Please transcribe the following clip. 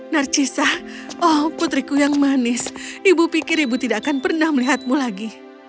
narcisa oh putriku yang manis ibu pikir ibu tidak akan pernah melihatmu lagi